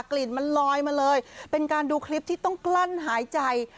กลิ่นมันลอยมาเลยเป็นการดูคลิปที่ต้องกลั้นหายใจ